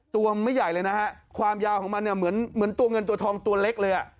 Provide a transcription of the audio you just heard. ตัวไม่ใหญ่เลยนะฮะความยาวของมันเนี่ยเหมือนตัวเงินตัวทองตัวเล็กเลยอ่ะ